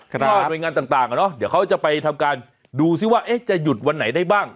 ก็หน่วยงานต่างเดี๋ยวเขาจะไปทำการดูซิว่าจะหยุดวันไหนได้บ้าง